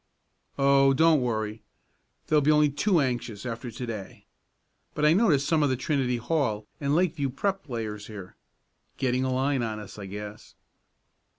"Oh, don't worry. They'll be only too anxious, after to day. But I notice some of the Trinity Hall and Lakeview Prep. players here. Getting a line on us, I guess."